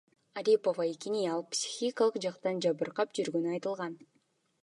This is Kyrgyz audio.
Арипова экени, ал психикалык жактан жабыркап жүргөнү айтылган.